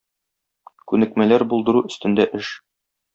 Күнекмәләр булдыру өстендә эш.